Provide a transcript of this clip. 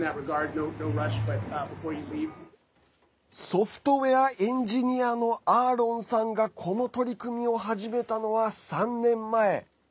ソフトウエアエンジニアのアーロンさんがこの取り組みを始めたのは３年前。